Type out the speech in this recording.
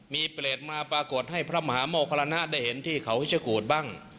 มีเปรตมาปรากฏให้พระมหาโมคารณะได้เห็นที่เขาพิชโกรธบ้าง